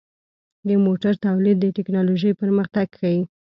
د موټرو تولید د ټکنالوژۍ پرمختګ ښيي.